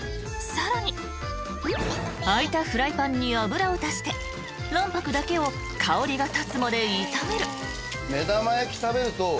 ［さらに空いたフライパンに油を足して卵白だけを香りが立つまで炒める］